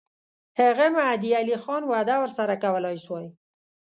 هغه مهدي علي خان وعده ورسره کولای سوای.